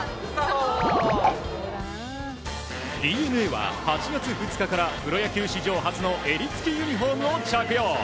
ＤｅＮＡは８月２日からプロ野球史上初の襟付きユニホームを着用。